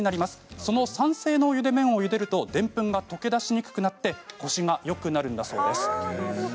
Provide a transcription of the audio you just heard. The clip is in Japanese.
その酸性のお湯で麺をゆでるとでんぷんが溶け出しにくくなりコシがよくなるんだそうです。